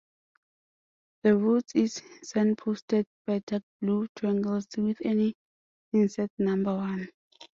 The route is signposted by dark blue triangles with an inset number one.